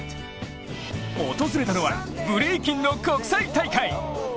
訪れたのは、ブレイキンの国際大会。